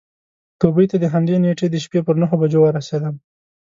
دوبۍ ته د همدې نېټې د شپې پر نهو بجو ورسېدم.